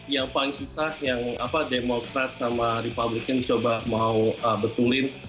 yang paling susah yang apa demokrat sama republik ini coba mau betulin